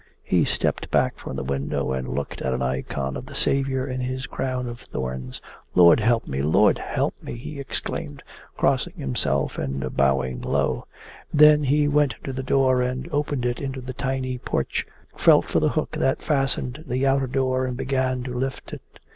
He stepped back from the window and looked at an icon of the Saviour in His crown of thorns. 'Lord, help me! Lord, help me!' he exclaimed, crossing himself and bowing low. Then he went to the door, and opening it into the tiny porch, felt for the hook that fastened the outer door and began to lift it.